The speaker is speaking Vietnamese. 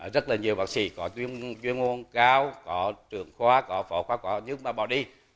rất là nhiều bác sĩ có tuyên ngôn cao có trường khoa có phổ khoa có nước ma bò đi